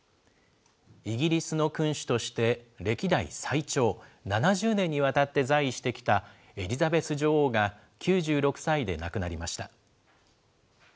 イギリスの君主として歴代最長、７０年にわたって在位してきた、エリザベス女王が９６歳で亡くなりました。